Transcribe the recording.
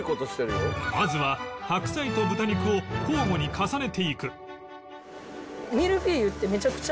まずは白菜と豚肉を交互に重ねていく